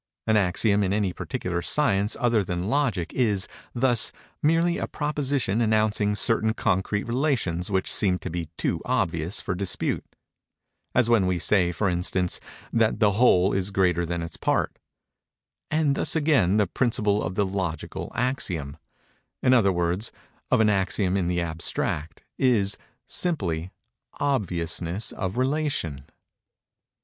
An axiom in any particular science other than Logic is, thus, merely a proposition announcing certain concrete relations which seem to be too obvious for dispute—as when we say, for instance, that the whole is greater than its part:—and, thus again, the principle of the Logical axiom—in other words, of an axiom in the abstract—is, simply, obviousness of relation.